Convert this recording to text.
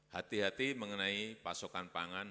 hati hati mengenai pasokan pangan